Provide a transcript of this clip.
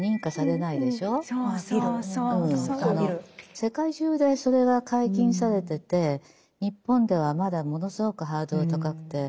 世界中でそれが解禁されてて日本ではまだものすごくハードル高くて。